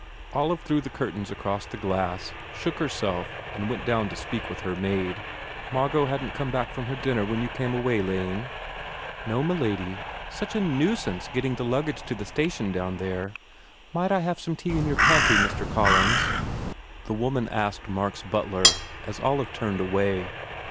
Olive drew the curtains across the glass, shook herself and went down to speak with her maid. "Margot hadn t come back from her dinner when you came away, Lane?" 251 THE FAIR REWARDS "No, m lady. Such a noosance getting the luggage to the station, down there. ... Might I have some tea in your pantry, Mr. Collins?" the woman asked Mark s butler as Olive turned away.